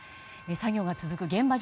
作業が続く現場